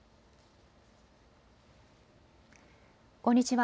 こんにちは。